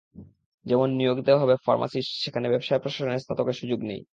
যেমন নিয়োগ দেওয়া হবে ফার্মাসিস্ট, সেখানে ব্যবসায় প্রশাসনের স্নাতকের সুযোগ নেই।